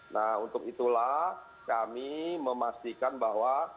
nah untuk itulah kami memastikan bahwa